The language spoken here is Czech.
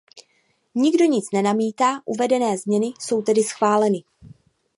Nikdo nic nenamítá, uvedené změny jsou tedy schváleny.